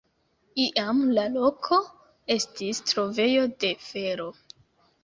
Iam la loko estis trovejo de fero.